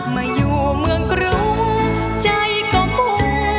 มาอยู่เมืองกรุงใจก็มู